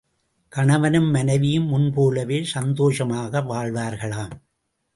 கணவனும் மனைவியும் முன்போலவே சந்தோஷமாக வாழ்வார்களாம்.